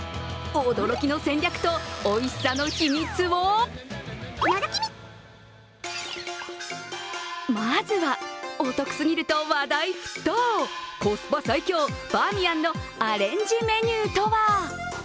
驚きの戦略とおいしさの秘密をまずは、お得すぎると話題沸騰、コスパ最強、バーミヤンのアレンジメニューとは？